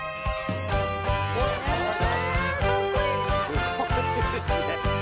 すごいですね。